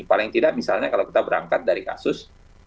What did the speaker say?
paling tidak misalnya kalau kita berangkat dari kasus